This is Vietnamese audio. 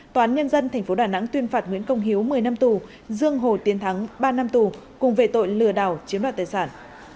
tòa án nhân dân tp đà nẵng tuyên phạt nguyễn công hiếu một mươi năm tù dương hồ tiến thắng ba năm tù cùng về tội lừa đảo chiếm đoạt tài sản